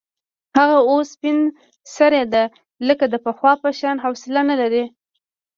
هغه اوس سپین سرې ده، لکه د پخوا په شان حوصله نه لري.